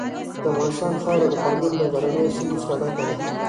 د افغانستان خاوره د پامیر له غرنیو سیمو څخه ډکه ده.